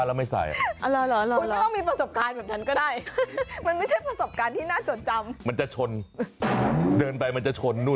แล้วไม่ต้องไปที่อุดรใช่ไหมล่ะ